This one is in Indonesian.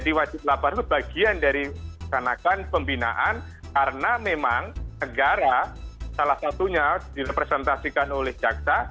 jadi wajib lapor itu bagian dari sanakan pembinaan karena memang negara salah satunya direpresentasikan oleh jaksa